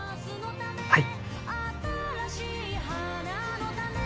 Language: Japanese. はい！